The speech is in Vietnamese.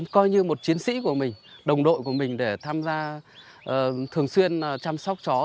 coi như một chiến sĩ của mình đồng đội của mình để tham gia thường xuyên chăm sóc chó